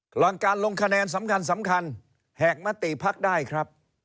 หลังการลงคะแนนสำคัญแหกมติภักดิ์ได้ครับ